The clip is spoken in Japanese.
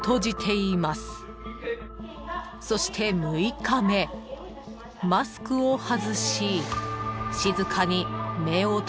［そして６日目マスクを外し］